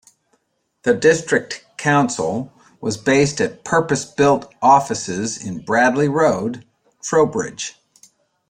The district council was based at purpose-built offices in Bradley Road, Trowbridge.